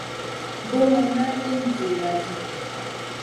Bunu may ìhn zida di.